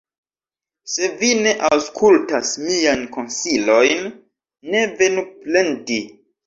Se vi ne aŭskultas miajn konsilojn, ne venu plendi.